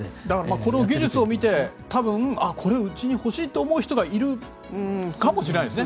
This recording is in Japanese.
この技術を見てこれ、うちに欲しいと思う人がいるかもしれないですね。